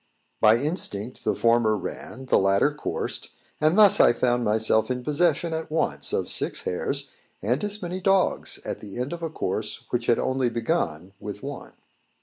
By instinct the former ran, the latter coursed: and thus I found myself in possession at once of six hares, and as many dogs, at the end of a course which had only begun with one.